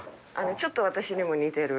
ちょっと私にも似てる。